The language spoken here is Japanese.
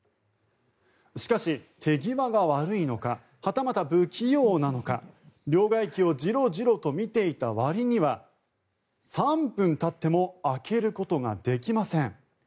しかし、手際が悪いのかはたまた不器用なのか両替機をじろじろと見ていたわりには３分たっても開けることができません。